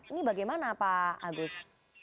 ini bagaimana pak agus